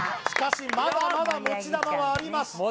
しかしまだまだ持ち玉はあります